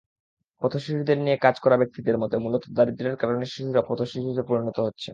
পথশিশুদের নিয়ে কাজ করা ব্যক্তিদের মতে, মূলত দারিদ্র্যের কারণে শিশুরা পথশিশুতে পরিণত হচ্ছে।